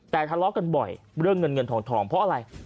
แต่ทะเลาะกันบ่อยเรื่องเงินเงินทองเพราะอะไร